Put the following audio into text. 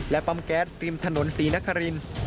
ปั๊มแก๊สริมถนนศรีนคริน